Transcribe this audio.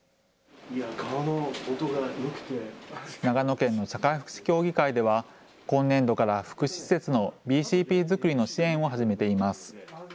長野県の社会福祉協議会では今年度から福祉施設のＢＣＰ作りの支援を始めています。